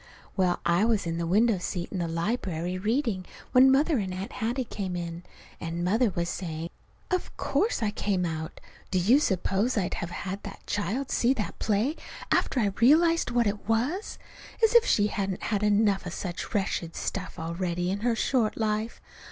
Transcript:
Well, I was in the window seat in the library reading when Mother and Aunt Hattie came in; and Mother was saying: "Of course I came out! Do you suppose I'd have had that child see that play, after I realized what it was? As if she hasn't had enough of such wretched stuff already in her short life!